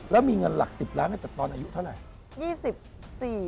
แล้วมีเงินหลัก๑๐ล้านตั้งแต่ตอนอายุเท่าไหร่